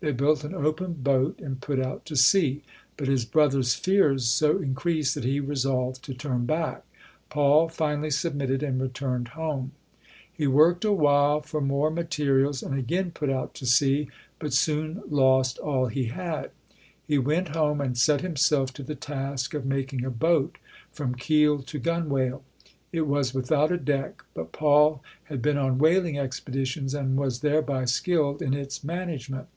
They built an open boat and put out to sea, but his brother's fears so increased that he resolved to turn back. Paul finally submitted and returned home. He worked a while for more materials and 254 ] UNSUNG HEROES again put out to sea, but soon lost all he had. He went home and set himself to the task of making a boat from keel to gunwale. It was without a deck, but Paul had been on whaling expeditions and was thereby skilled in its management.